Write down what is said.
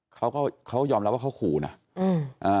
เขาก็เขายอมรับว่าเขาขู่นะอืมอ่า